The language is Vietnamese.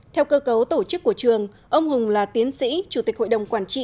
theo cơ cấu tổ chức của trường ông hùng là tiến sĩ chủ tịch hội đồng quản trị